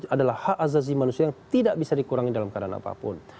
adalah hak azazi manusia yang tidak bisa dikurangi dalam keadaan apapun